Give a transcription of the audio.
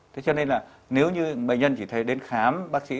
thế cho nên là nếu như bệnh nhân chỉ thấy đến khám bác sĩ